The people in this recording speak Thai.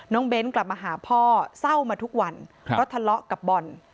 เบ้นกลับมาหาพ่อเศร้ามาทุกวันเพราะทะเลาะกับบอล